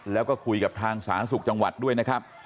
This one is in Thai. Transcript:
แล้วก็คุยกับทางสาธารณสุขจังหวัดด้วยนะครับ